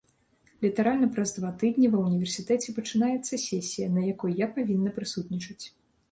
Літаральна праз два тыдні ва ўніверсітэце пачынаецца сесія, на якой я павінна прысутнічаць.